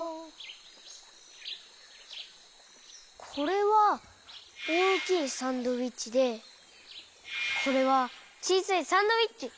これはおおきいサンドイッチでこれはちいさいサンドイッチ。